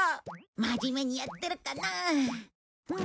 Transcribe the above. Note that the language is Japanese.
真面目にやってるかな？